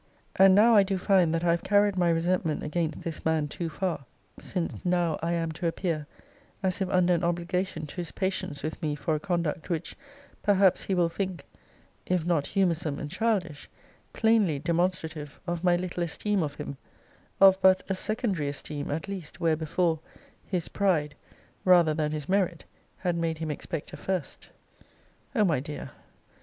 And now I do find that I have carried my resentment against this man too far; since now I am to appear as if under an obligation to his patience with me for a conduct, which perhaps he will think (if not humoursome and childish) plainly demonstrative of my little esteem of him; of but a secondary esteem at least, where before, his pride, rather than his merit, had made him expect a first. O my dear!